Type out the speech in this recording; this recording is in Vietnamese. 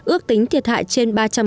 ước tính thiệt hại trên ba trăm một mươi bốn